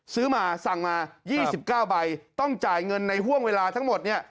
ซื้อมาสั่งมา๒๙ใบต้องจ่ายเงินในห่วงเวลาทั้งหมดเนี่ย